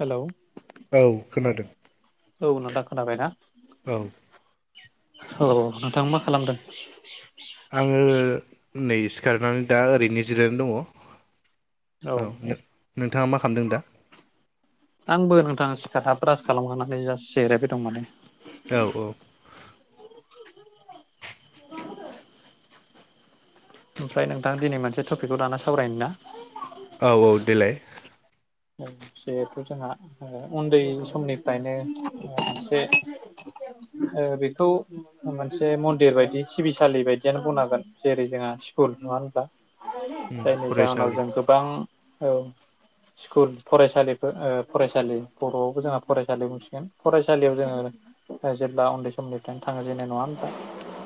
Hello औ खोनादों औ नोंथां खोनाबायना [inaudible] औ औ नोंथां मा खालामदों? आङो नै सिखारनानै दा ओरैनो जिरायनानै दङ औ औ नों नों नोथाङा मा खालामदों दा? आंबो नोंथां सिखारना ब्रास खालामखांनानै जास जिरायबाय दं माने। औ औ ओमफ्राय नोंथाङा दिनै मोनसे टपिकखौ लाना सावरायनो ना? औ औ देलाय जिहेथु जोंहा ओ उन्दै समनिफ्रायनो मोनसे ओ बेखौ मोनसे मन्दिर बायदि सिबिसालि बायदियानो बुंनांगोन जेरै जोंहा स्कुल नङा होनब्ला उम जायनि जाहोनाव फरायसालि जों गोबां औ स्कुल फरायसालिफोर ओ फरायसालि बर'आवबो जोंहा फरायसालि बुंसिगोन फरायसालियाव जोङो जेब्ला उन्दै समनिफ्रायनो थाङो जेनो नङा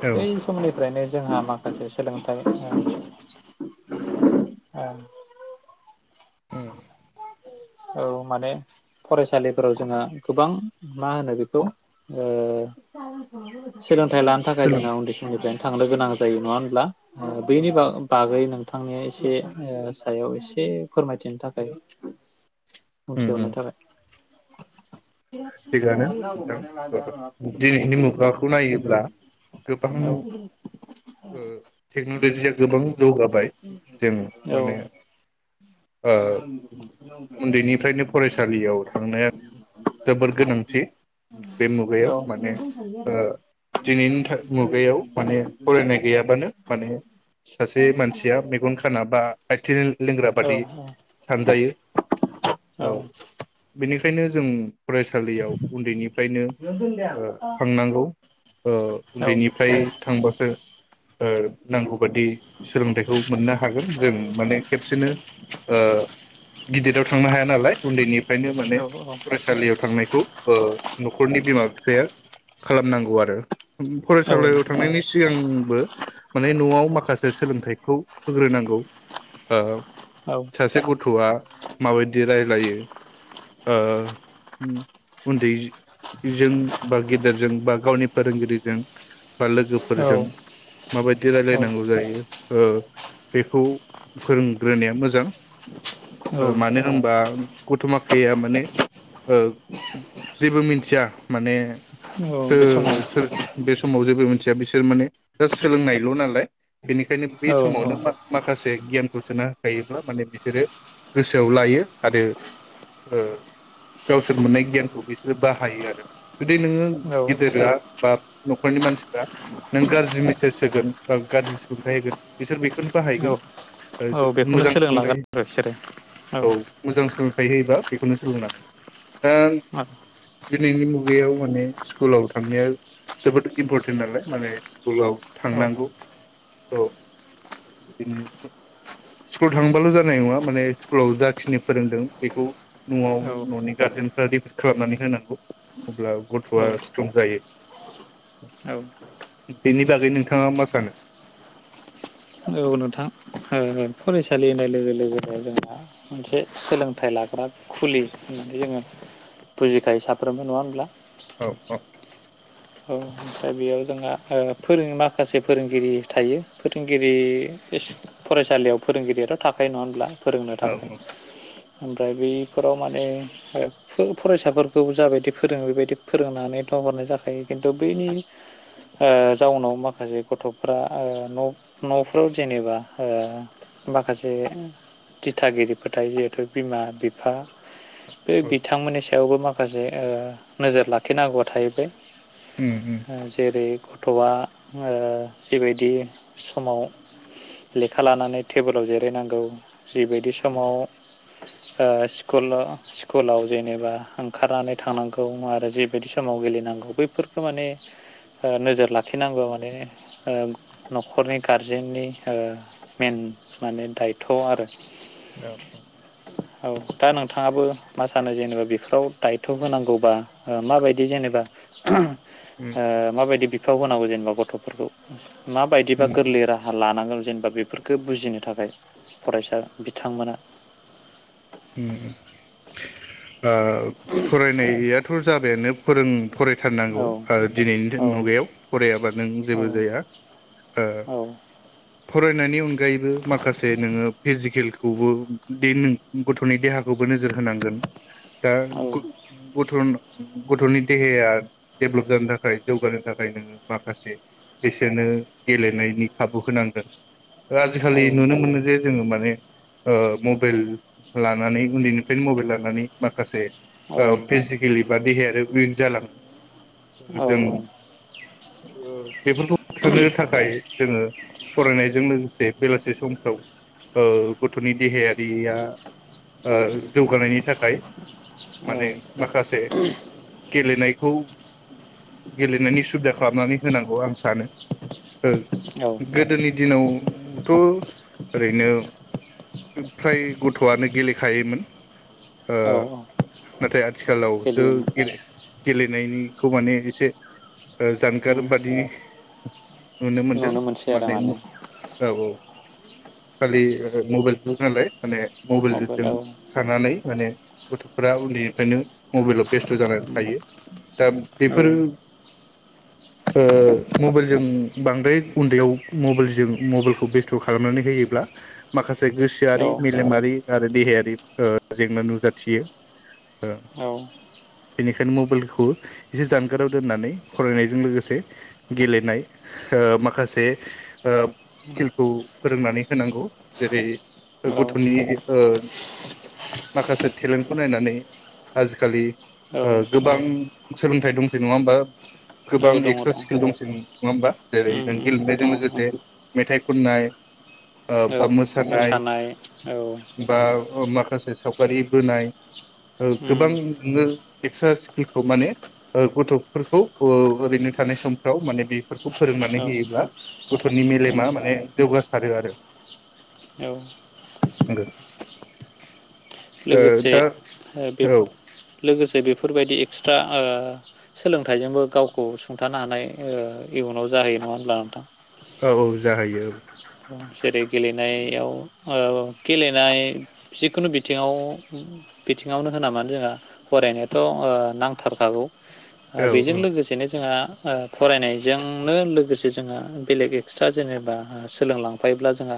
औ बै समनिफ्रायनो जोंहा माखासे सोलोंथाइ ओं ओं ओम औ माने फरायसालिफोराव जोंहा गोबां मा होनो बेखौ ओ सोलोंथाइ लानो थाखाय सोलों जोंहा उन्दै समनिफ्रायनो थांनो गोनां जायो नङा होनब्ला औ बैनि बा-बागै नों थांनाया एसे ओ सायाव एसे फोरमायथिनो थाखाय उम बुंथिहरनाय उम थाबाय थिगानो नोंथां दिनैनि मुगाखौ औ नायोब्ला गोबां ओ औ टेक्न'लजिया गोबां जौगाबाय जों माने औ ओ दा आं उन्दैनिफ्रायनो फरायसालियाव थांनाया [unintelligible] जोबोर गोनांथि बे मुगायाव माने ओ दिनैनि मुगायाव माने फरायनाय गैयाबानो माने सासे मानसिया मेगन खाना बा आथिं लें-लेंग्रा बादि सानजायो औ बेनिखायनो जों फरायसालियाव उन्दैनिफ्रायनो ओ थांनांगौ ओ उन्दैनिफ्राय थांबासो ओ नांगौ बादि सोलोंथाइखौ मोननो हागोन जों माने खेबसेनो ओ गिदिराव थांनो हाया नालाय उन्दैनिफ्रायनो माने औ औ फरायसा थांनायखौ ओ नखरनि बिमा बिफाया खालामनांगौ आरो औ फरायसालियाव थांनायनि सिगां बो माने नआव माखासे सोलोंथाइखौ होग्रोनांगौ औ औ सासे गथआ माबायदि रायलायो ओ उन्दै जों बा गेदेरजों बा गावनि फोरोंगिरिजों बा लोगोफोरजों औ माबायदि रायलायनांगौ जायो ओ बेखौ फोरोंग्रोनाया मोजां औ ओ मानो होमबा गथमाखाया माने ओ जेबो मिथिया माने औ सो बे समाव सोर बे समाव जे गुबै मोनथिया बिसोर माने दा सोलोंनायल नालाय बेनिखायनो बे औ समावनो मा माखासे बे गियानखौ सोना होखायोब्ला माने बिसोरो गोसोआव लायो आरो ओ गावसोर मोननाय गियानखौ बिसोरो बाहायो आरो जुदि नोङो औ गिदिरा बा नखरनि मानसिफ्रा नों गाज्रि मेसेज होगोन बा गाज्रि सोलोंथाइ होगोन बिसोर बे औ औ बेखौनो सोलों लागोन सोलोंथाइ आरो बिसोरो औ मोजां सो थायहोयोबा बेखौनो सोलोंलां दा दिनैनि मुं मुगायाव माने स्कुलाव थांनाया जोबोद इम्परटेन्ट नालाय माने स्कुलाव थांनांगौ औ बिदिनो स्कुल थांबाल जानाय नङा माने स्कुलाव जाखिनि फोरोंदों बेखौ नआव ननि गार्जेनफोरादि खालामनानै होनांगौ अब्ला औ गथआ स्ट्रं जायो औ बेनि बागै नोंथाङा मा सानो औ नोंथां हो हो फरायसालि होनाय लोगो लोगोनो जोंहा मोनसे सोलोंथाइ लाग्रा खुलि होननानै जोङो बुजिखायो साफ्रोमबो नङा होनब्ला औ औ औ ओमफ्राय बेयाव जोंहा ओ फोरों माखासे फोरोंगिरि थायो फोरोंगिरि इस फरायसालियाव फोरोंगिरियाथ थाखायो नङा होनब्ला फोरोंनो थाखाय औ ओमफ्राय बैफोराव माने फो फरायसाफोरखौ जाबायदि फोरोङो बेबायदि फोरोंनानैथ हरनाय जाख यै खिन्थु बैनि ओ जाउनाव माखासे गथफ्रा ओ न-नफ्राव जेनेबा ओ माखासे दिथागिरिफोर थायो थ बिमा बिफा बे औ बिथांमोननिस थेवबो माखासे ओ नोजोर लाखिनांगौआ थाहैबाय। उम उम ओ जेरै गथआ ओ जिबायदि समाव लेखा लानानै टेबोलाव जिरायनांगौ। जिबायदि समाव ओ स्कुल स्कुलाव जेनेबा ओंखारनानै थांनांगौ आरो जिबायदि समाव गेलेनांगौ। बैफोरखौ माने ओ नोजोर लाखिनांगौ माने ओ नखरनि गारजेननि ओ मेन माने दायथ आरो औ औ औ दा नोंथाङाबो मा सानो जेनेबा बेफोराव दायथ होनांगौबा ओ माबायदि जेनेबा [unintelligible] उम ओ माबायदिब बिफाव होनांगौ जेनेबा गथफोरखौ माबायदिबा उम गोरलै राहा लानांगोन। जेनेबा बेफोरखौ बुजिनो थाखाय फरायसा बिथांमोना उम ओ फरायनायात थ जाबायानो फोरों फरायथारनांगौ औ ओ दिनैनिदे औ मुगायाव फरायाबा नों जेबो जाया ओ औ फराय नानि अनग गायैबो माखासे नोङोब फिजिकेलखौबो दे नों गथनि देहाखौबो नोजोर होनांगोन। दा गुद औ गुथुन गथनि देहाया डेभलप जानो थाखाय जौगानो थाखाय नोङो माखासे बिसोरनो गेलेनायनि खाबु होनांगोन। ओ आजिखालि औ नुनो मोनो जे जोङो मान [unintelligible] ओ मबेल लानानै उन्दैनिफ्रायनो मबेल लानानै माखासे औ ओ फिजिकेलि बा देहाय आरो उइक जालाङो। जों औ ओ बेफोरखौ होबथानो थाखाय जोङो फरायनायजों लोगोसे बेलासि समफ्राव ओ गथनि देहायारिया ओ जौगानायनि थाखाय माने औ माखासे गेलेनायखौ गेलेनायनि सुबिदा खालामनानै होनांगौ आं सानो। ओ गोदोनि दिनाव थ ओरैनो फ्राय गथआनो गेलेखायोमोन ओ औ नाथाय आथिखालावसो गेलेयोमोन गेले-गेलेनायनिखौ माने इसे जानगार उम बादि नुनो मोनदों। मोननोसै आरो माने औ औ खालि मबाइल नालाय माने मबाइलाव [unintelligible] थानानै माने गथ'फोरा उन्दैनिफ्रायनो मबाइलाव बेस्थ जानानै थायो दा औ बेफोरो ओ मबाइलजों बांद्राय उन्दैयाव मबाइलजों मबाइलखौ बेस्थ खालामनानै होयोब्ला माखासे गोसोआरि मेलेमारि आरो देहायारि जेंना नुजाथियो औ बेनिखायनो मबाइलखौ एसे जानगाराव दोननानै फरायनायजों लोगोसे गेलेनाय ओ माखासे स्किलखौ फोरोंनानै होनांगौ जेरै गथनि। ओ माखासे टेलेन्टखौ नायनानै आजिखालि ओ औ गोबां सोलोंथाइ दंसै नङा होमबा। गोबां दङ उम एक्सट्रा स्किल दंसै। नङा होमबा जेरै नों उम दङ गेलेनायजों उम लोगोसे मेथाइ खननाय‌ ओ मोसानाय औ। बा माखासे सावगारि बोनाय ओ उम गोबांनो एक्स्रा स्किलखौ माने गथ'फोरखौ ओ ओरैनो थानाय समफ्राव माने बे फोरखौ फोरोंनानै औ होयोब्ला गथनि उम मेलेमा माने जौगा [unintelligible] औ। [unintelligible] ओ लोगोसे दा ओ बे औ लोगोसे बेफोरबायदि एक्सट्रा ओ सोलोंथाइजोंबो गावखौ सुंथानो हानाय ओ इयुनाव जाहैयो नङा होमब्ला नोंथां। औ औ जाहैयो औ। जेरै गेलेनायाव ओ गेलेनाय जिखुनु बिथिङाव बिथिङावनो होनामोन जोंहा फरायनायाथ' नांथारखागौ। औ बेजों औ लोगोसेनो जोंहा फरायनायजोंनो लोगोसे जोंहा बेलेग एक्सट्रा जेनेबा ओ सोलोंलांफायोब्ला जोंहा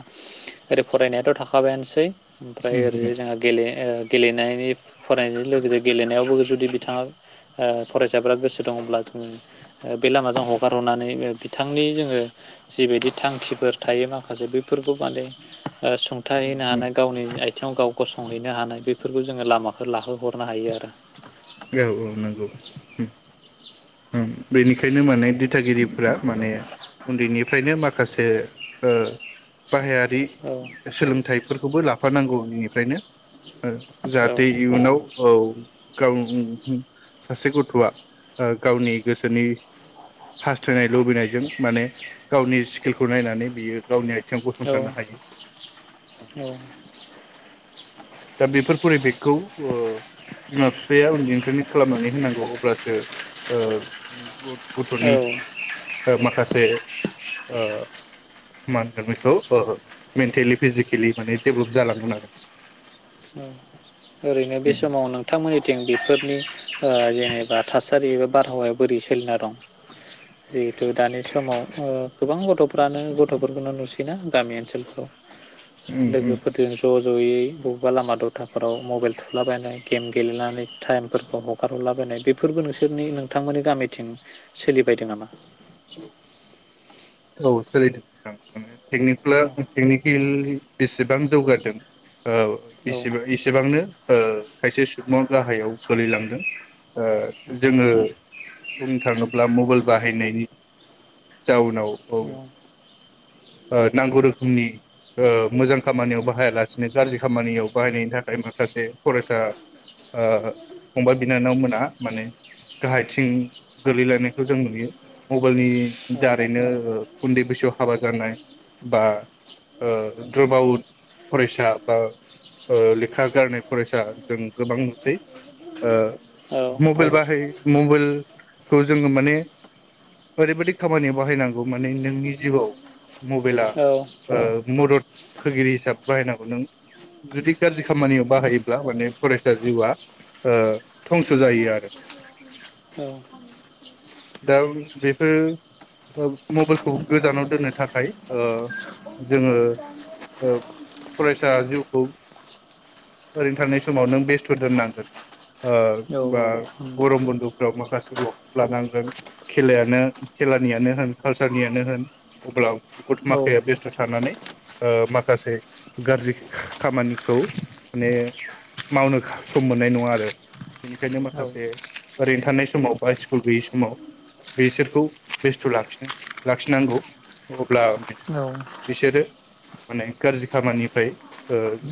ओरै फरायनायाथ थाखाबायानोसै। ओमफ्राय उम ओरै जोंहा गेले ओ गेलेनायनि फरायनायनि लोगोसे गेलेनायावबो जुदि बिथाङा ओ फरायसाफोरा गोसो दङब्ला जों बे लामाजों हगारहरनानै बिथांनि जोङो जिबायदि थांखिफोर थायो माखासे बैफोरखौ माने ओ सुंथा उम हैैनो उम हानाय गावनि आथिं। गाव गसंहैनो हानाय बेफोरखौ जोङो लामाफोर लाहोहरनो हायो आरो। औ औ नंगौ। बेनिखायनो माने गिरिफोरा माने उन्दैनिफ्रायनो माखासे ओ बाहायारि औ सोलोंथाइफोरखौबो ला [unintelligible] औ जाहाथे इयुनाव औ। [unintelligible] सासे गथआ ओ गावनि गोसोनि हास्थायनाय लुबैनायजों माने गावनि स्किलखौ नायनानै बियो गावनि जों औ गसंथानो हायो उ दा बेफोर फरिबेकखौ ओ बिमा बिफाया उन्दैनिफ्रायनो खालामनानै होनांगौ अब्लासो ओ औ गथनि ओ माखासे ओ मा होनगोन बेखौओ मेन्टेलि फिजिकेलि माने डेबलप जालांगोन आरो ओ ओरैनो बे उम समाव नोंथांमोननिथिं बेफोरनि ओ जेनेबा थासारि एबा बारहावाया बोरै सोलिना दं जिहेथु दानि समाव ओ गोबां गथफ्रानो गथफोरखौनो नुसैना गामि ओनसोलफ्राव उम उम लोगोफोरजों ज जयै बबावबा लामा दथाफोराव मबाइल थुलाबायनाय गेम गेलेनानै टाइमफोरखौ हगार हरलाबायनाय बेफोरबो नोंसोरनि नोंथांमोननि गामिथिं सोलिबायदों नामा? औ सोलिदों नोंथां माने टेकनिकुला टेकनिकेलि बेसि बां जौगादों औ औ एसेबा एसेबांनो ओ खायसे स बिदि नङा गाहायाव गोलैलांदों। ओ जोङो बुंनो थाङोब्ला मबाइल बाहायनायनि जाउनाव औ न ओ नांगौ रोखोमनि ओ मोजां खामानियाव बाहायालासिनो गाज्रि खामानियाव बाहायनायनि थाखाय माखासे फरायसा ओ फंबाय बिनानाव मोनहा माने गाहायथिं गोलैलांनायखौ जों नुयो। मबाइलनि दारैनो ओ उन्दै बैसोआव हाबा जानाय बा ओ गोबाव फरायसा बा ओ लेखा गारनाय फरायसा जों गोबां नुसै ओ मबाइल बाहायै मबाइल खौ जोङो माने ओरैबादि खामानियाव बाहायनांगौ माने नोंनि जिउआव मबाइला ओ मदद होगिरि हिसाबै बाहायनांगौ नों जुदि गाज्रि खामानियाव बाहायोब्ला माने फरायसा जिउआ ओ धंस जायो आरो दा बेफोर अ मबाइलखौ गोजानाव दोननो थाखाय ओ जोङो ओ फरायसा जिउखौ ओरैनो थानाय समाव नों बेस्थ दोननांगोन ओ बा औ गरम बन्दफ्राव माखासे वार्कशप लानांगोन खेलायानो खेलानियानो होन कालसारनियानो होन अब्ला गथ औ माखाया बेस्थ थानानै माखासे गाज्रि खामानिखौ माने मावनो सम मोननाय नङा आरो बेनिखायनो माखासे ओरैनो थानाय समाव बा स्कुल गैयि समाव बिसोरखौ बेस्थ लाखि लाखिनांगौ अब्ला बिसोरो माने गाज्रि खामानिनिफ्राय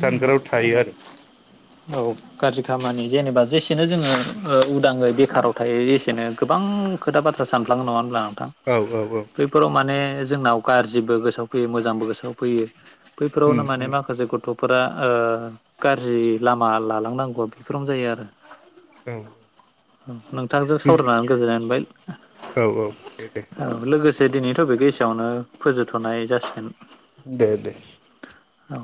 जानगाराव थायो आरो औ गाज्रि खामानि जेनेबा जेसेनो जोङो ओ उदाङै बेखाराव थायो एसेनो गोबां खोथा बाथ्रा सानफ्लाङो नङा होनब्ला? थां औ औ औ बैफोराव माने जोंनाव गाज्रिबो गोसोआव फैयो मोजांबो गोसोआव फैयो उम बैफोरावनो माने माखासे गथ फोरा ओ गाज्रि लामा लालां नांगौआ बिफोरावनो जायो आरो औ। [inaudible] नोंथांजों सावरायनानै गोजोननाय मोनबाय। औ औ दे दे औ लोगोसे दिनै [inaudible] एसेयावनो फोजोबथनाय जासिगोन। दे दे। औ।